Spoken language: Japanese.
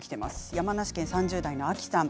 山梨県３０代の方。